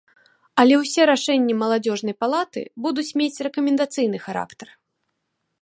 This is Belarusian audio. Але ўсе рашэнні маладзёжнай палаты будуць мець рэкамендацыйны характар.